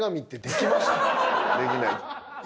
できない。